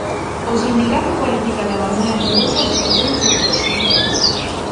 O sindicato cualifica de abandono absoluto a situación do sector.